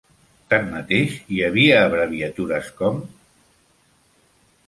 Tanmateix, hi havia abreviatures com?